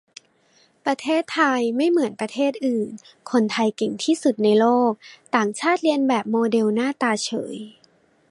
ประเทศไทยไม่เหมือนประเทศอื่น คนไทยเก่งที่สุดในโลก ต่างชาติเลียนแบบโมเดลหน้าตาเฉย